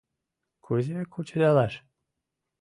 Кузе кучедалаш?